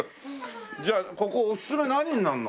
じゃあここおすすめ何になるの？